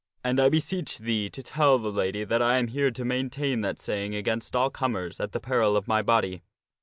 And I beseech thee to tell the lady that I am here to maintain that saying against all comers at the peril of my body.